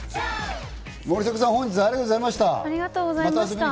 森迫さん、本日はありがとうございました。